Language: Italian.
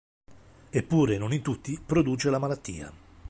Eppure non in tutti produce la malattia.